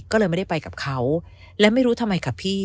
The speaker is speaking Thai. ก็เลยไม่ได้ไปกับเขา